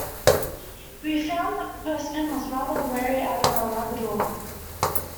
We found that the postman was rather wary of our labrador